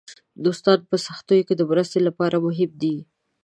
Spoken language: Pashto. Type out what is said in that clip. دوستان په سختیو کې د مرستې لپاره مهم دي.